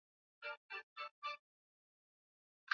makundi hayo yanafafanuliwa kupitia dini na kabila